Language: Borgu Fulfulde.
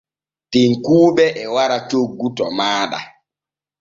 Tekkuuɓe e wara coggu to maaɗa.